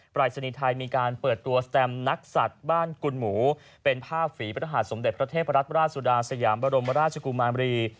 รายศนีย์ไทยมีการเปิดตัวสแตมนักสัตว์บ้านกุลหมูเป็นภาพฝีพระหาดสมเด็จพระเทพรัตนราชสุดาสยามบรมราชกุมารี